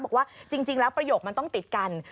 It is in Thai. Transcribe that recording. บอกว่าจริงแล้วประโยคมันต้องติดกัน